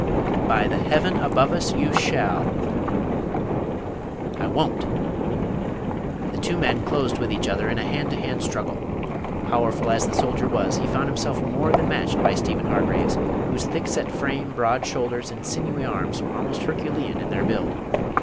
"By the Heaven above us, you shall." "I won't!" The two men closed with each other in a hand to hand struggle. Powerful as the soldier was, he found himself more than matched by Stephen Hargraves, whose thick set frame, broad shoulders, and sinewy arms were almost herculean in their build.